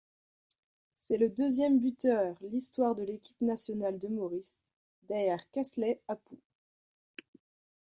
C'est le deuxième buteur l'histoire de l'équipe nationale de Maurice, derrière Kersley Appou.